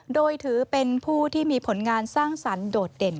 โดยถือเป็นผู้ที่มีผลงานสร้างสรรค์โดดเด่น